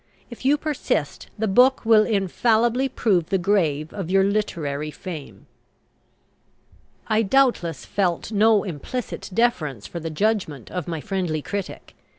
If you persist, the book will infallibly prove the grave of your literary fame." I doubtless felt no implicit deference for the judgment of my friendly critic.